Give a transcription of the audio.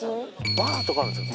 バーとかあるんですね。